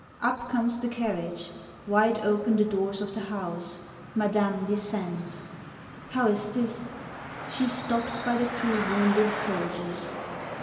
Up comes the carriage; wide open the doors of the house: Madame descends... How is this?... She stops by the two wounded soldiers.